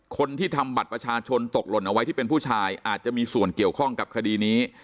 คนที่ทำบัตรประชาชนตกหล่นเอาไว้ที่เป็นผู้ชายอาจจะมีส่วนเกี่ยวข้องกับคดีนี้